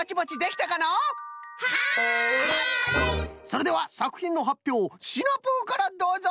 それではさくひんのはっぴょうシナプーからどうぞ！